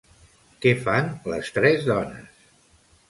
Què fan les tres dones?